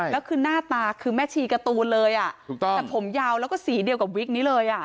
แล้วคือหน้าตาคือแม่ชีการ์ตูนเลยอ่ะถูกต้องแต่ผมยาวแล้วก็สีเดียวกับวิกนี้เลยอ่ะ